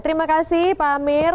terima kasih pak amir